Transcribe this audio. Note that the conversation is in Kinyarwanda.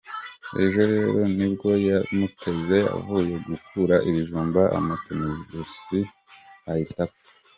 Ejo rero nibwo yamuteze avuye gukura ibijumba amutema ijosi ahita apfa.